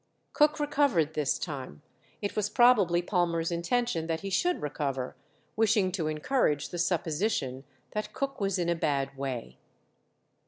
Cook recovered this time; it was probably Palmer's intention that he should recover, wishing to encourage the supposition that Cook was in a bad way.